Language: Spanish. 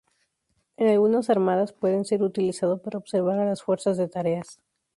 En algunas armadas pueden ser utilizado para observar a las fuerzas de tareas.